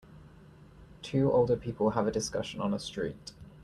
Two older people have a discussion on a street.